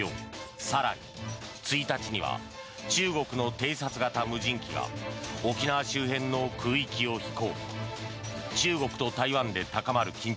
更に、１日には中国の偵察型無人機が沖縄周辺の空域を飛行。